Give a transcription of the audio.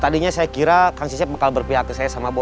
tadinya saya kira kang cecep bakal berpihak ke saya sama bos